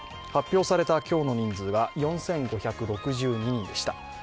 発表された今日の人数は４５６２人でした。